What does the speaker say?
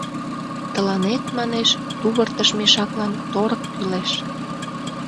Тыланет, манеш, тувыртыш мешаклан торык кӱлеш.